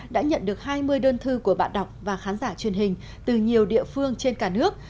đã nhận được hai mươi đơn thư của bạn đọc và khán giả truyền hình từ nhiều địa phương trên cả nước